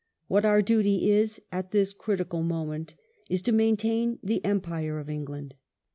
... What our duty is at this critical moment is to maintain the Empire of England."